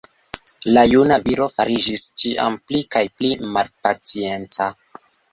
La juna viro fariĝis ĉiam pli kaj pli malpacienca.